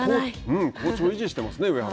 好調を維持してますね